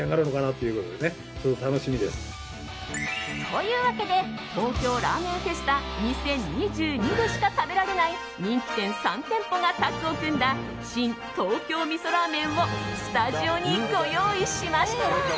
というわけで東京ラーメンフェスタ２０２２でしか食べられない人気店３店舗がタッグを組んだシン・東京味噌ラーメンをスタジオにご用意しました。